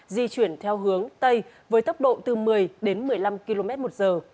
di chuyển theo hướng tây với tốc độ từ một mươi đến một mươi năm km một giờ